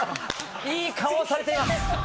いい顔されています。